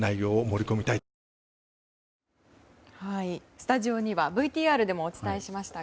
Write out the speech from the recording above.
スタジオにはＶＴＲでもお伝えしました